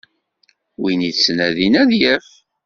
Win yettnadin ad yaf.